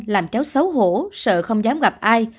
làm cháu xấu hổ sợ không dám gặp ai